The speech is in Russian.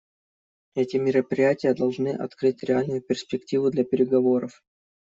Эти мероприятия должны открыть реальную перспективу для переговоров.